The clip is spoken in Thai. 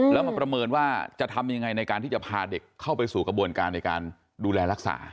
แล้วมาประเมินว่าจะทำยังไงในการที่จะพาเด็กเข้าไปสู่กระบวนการในการดูแลรักษา